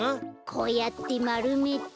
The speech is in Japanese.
こうやってまるめて。